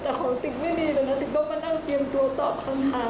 แต่ของติ๊งไม่มีเลยนะติ๊งก็มานั่งเตรียมตัวตอบคำถาม